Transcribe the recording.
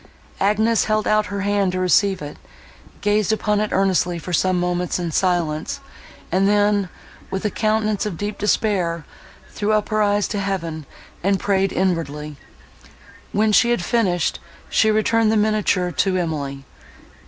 Agnes held out her hand to receive it; gazed upon it earnestly for some moments in silence; and then, with a countenance of deep despair, threw up her eyes to Heaven, and prayed inwardly. When she had finished, she returned the miniature to Emily.